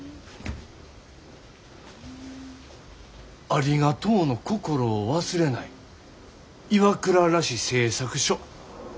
ありがとうの心を忘れない岩倉螺子製作所。